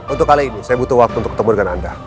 untuk kali ini saya butuh waktu untuk ketemu dengan anda